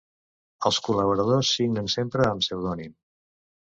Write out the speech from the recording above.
Els col·laboradors signen sempre amb pseudònim.